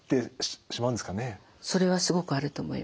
それはすごくあると思いますね。